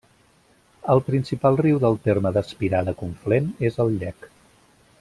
El principal riu del terme d'Espirà de Conflent és el Llec.